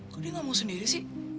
kok dia gak mau sendiri sih